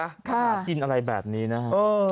หากินอะไรแบบนี้นะฮะ